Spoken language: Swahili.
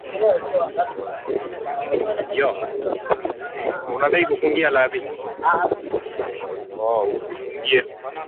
mama mjawazito ajadiliane na wataalamu wa afya kuhusu virusi vya ukimwi